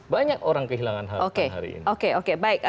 banyak orang kehilangan harapan hari ini